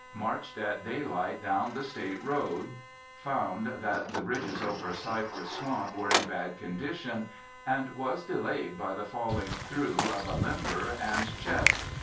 Marched at daylight down the State Road; found that the bridges over Cypress Swamp were in bad condition, and was delayed by the falling through of a limber and chest.